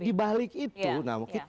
di balik itu kita punya data